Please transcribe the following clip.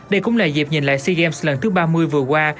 đây cũng là dịp nhìn lại sea games lần thứ ba mươi vừa qua